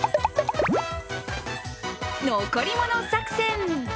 残り物作戦。